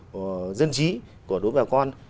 và dân trí của đối bào con